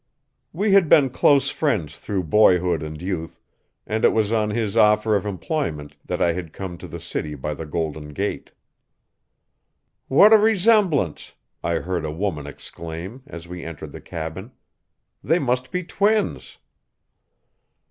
We had been close friends through boyhood and youth, and it was on his offer of employment that I had come to the city by the Golden Gate. "What a resemblance!" I heard a woman exclaim, as we entered the cabin. "They must be twins."